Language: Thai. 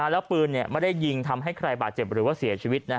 แล้วปืนไม่ได้ยิงทำให้ใครบาดเจ็บหรือว่าเสียชีวิต